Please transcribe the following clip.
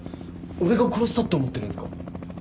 俺が殺したって思ってるんすか？